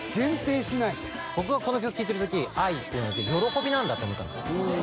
僕はこの曲聴いてる時愛っていうのは喜びなんだと思ったんですよ